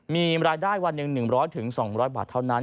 มีรายได้วันหนึ่ง๑๐๐๒๐๐บาทเท่านั้น